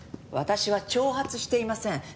私は挑発していません。